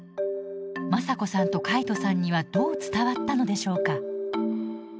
正子さんと海人さんにはどう伝わったのでしょうか。